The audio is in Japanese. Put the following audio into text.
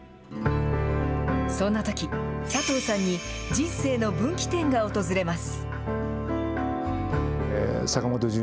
そんなとき、佐藤さんに人生の分岐点が訪れます。